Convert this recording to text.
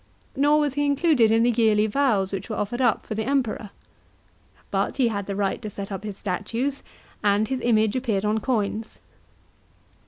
Nor was he included in the yearly vows which were offered up for the Emperor. But he had the right to set up his statues, and his image appeared on coins.